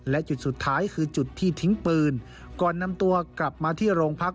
และจุดสุดท้ายคือจุดที่ทิ้งปืนก่อนนำตัวกลับมาที่โรงพัก